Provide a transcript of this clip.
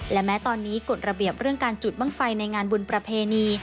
และแม้ตอนนี้กฎระเบียบเรื่องการจุดบ้างไฟในงานบุญประเพณี